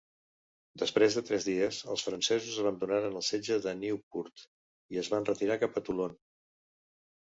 Després de tres dies, els francesos abandonaren el setge de Nieuwpoort i es van retirar cap a Toulon.